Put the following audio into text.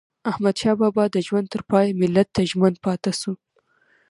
احمدشاه بابا د ژوند تر پایه ملت ته ژمن پاته سو.